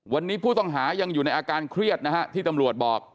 วันนี้ผู้ต้องหายังอยู่ในอาการเครียดนะฮะที่ตำรวจบอก